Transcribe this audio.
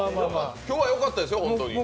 今日はよかったですよ。